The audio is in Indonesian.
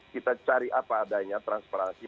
kita cari apa adanya transparansi